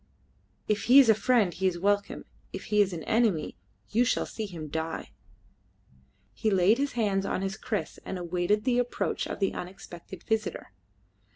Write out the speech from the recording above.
If he is a friend he is welcome; if he is an enemy you shall see him die." He laid his hand on his kriss, and awaited the approach of his unexpected visitor.